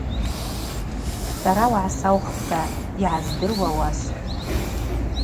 Сара угӏасаухпӏта, йгӏаздыруа уасхӏвпӏ.